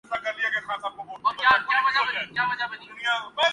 انسانی فکر میں آنے والی یہ ایسی ہی ایک تبدیلی ہے۔